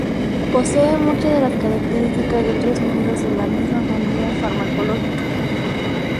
Posee muchas de las características de otros miembros de la misma familia farmacológica.